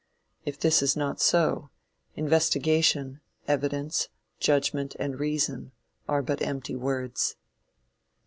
If this is not so, investigation, evidence, judgment and reason are but empty words.